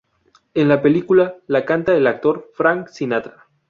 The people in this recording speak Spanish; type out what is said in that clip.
En la película la canta el actor Frank Sinatra.